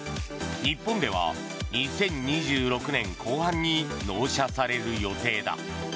日本では２０２６年後半に納車される予定だ。